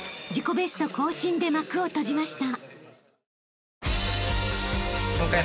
ベスト更新で幕を閉じました］